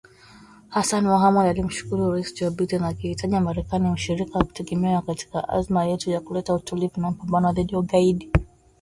Hassan Mohamud alimshukuru Rais Joe Biden akiitaja Marekani “mshirika wa kutegemewa katika azma yetu ya kuleta utulivu na mapambano dhidi ya ugaidi”